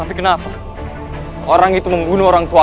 ayah akan melindungi kita dari pembunuh itu